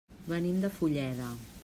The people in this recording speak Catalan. Venim de Fulleda.